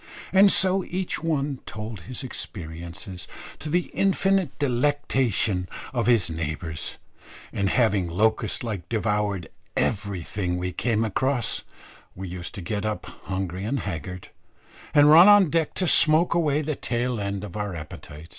and so each one told his experiences, to the infinite delectation of his neighbours, and having locust like devoured everything we came across, we used to get up hungry and haggard, and run on deck to smoke away the tail end of our appetite.